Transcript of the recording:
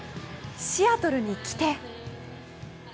「シアトルに来て」。